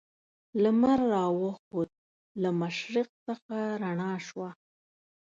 لمر را وخوت له مشرق څخه رڼا شوه.